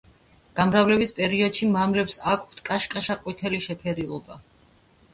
გამრავლების პერიოდში მამლებს აქვთ კაშკაშა ყვითელი შეფერილობა.